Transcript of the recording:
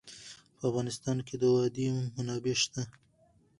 په افغانستان کې د وادي منابع شته.